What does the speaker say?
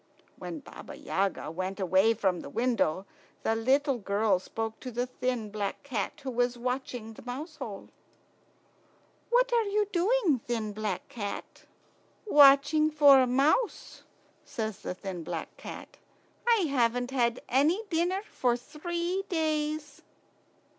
When Baba Yaga went away from the window, the little girl spoke to the thin black cat who was watching the mouse hole. "What are you doing, thin black cat?" "Watching for a mouse," says the thin black cat. "I haven't had any dinner for three days."